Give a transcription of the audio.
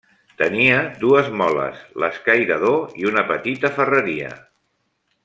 Tenia dues moles, l'escairador i una petita ferreria.